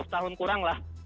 dua ratus tahun kurang lah